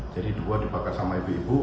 jadi dua dibakar sama ibu ibu